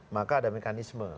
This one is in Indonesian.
maka ada mekanisme